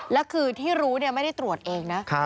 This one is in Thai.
แล้วคือที่รู้ไม่ได้ตรวจเองนะ